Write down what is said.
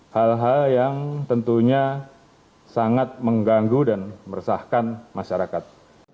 hal hal yang tentunya sangat mengganggu dan meresahkan masyarakat